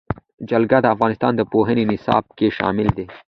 جلګه د افغانستان د پوهنې نصاب کې شامل دي.